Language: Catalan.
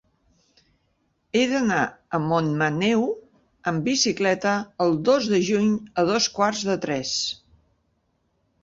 He d'anar a Montmaneu amb bicicleta el dos de juny a dos quarts de tres.